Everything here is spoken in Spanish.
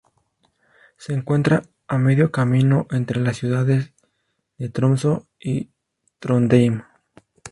Se encuentra a medio camino entre las ciudades de Tromsø y Trondheim.